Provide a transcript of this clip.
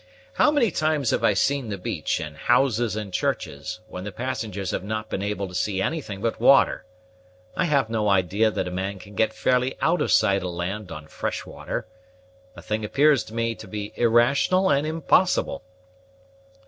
How many times have I seen the beach, and houses, and churches, when the passengers have not been able to see anything but water! I have no idea that a man can get fairly out of sight of land on fresh water. The thing appears to me to be irrational and impossible."